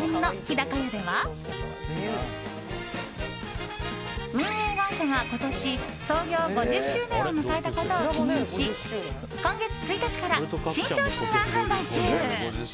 高屋では運営会社が今年、創業５０周年を迎えたことを記念し今月１日から新商品が販売中！